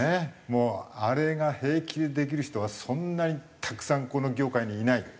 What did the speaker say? もうあれが平気でできる人はそんなにたくさんこの業界にいない。